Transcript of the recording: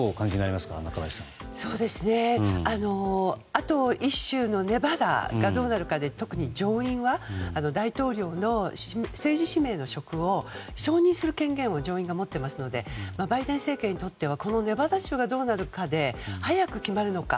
あと１州のネバダがどうなるかで特に上院は大統領の政治指名の職を承認する権限を持っていますのでバイデン政権にとってはネバダ州がどうなるかで早く決まるのか。